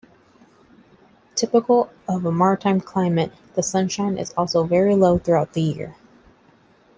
Typical of a maritime climate, the sunshine is also very low throughout the year.